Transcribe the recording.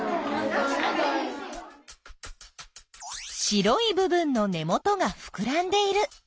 白い部分の根元がふくらんでいる。